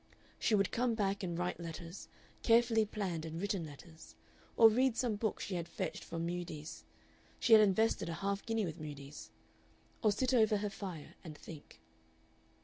She would come back and write letters, carefully planned and written letters, or read some book she had fetched from Mudie's she had invested a half guinea with Mudie's or sit over her fire and think.